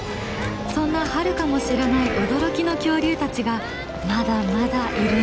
そんなハルカも知らない驚きの恐竜たちがまだまだいるんです。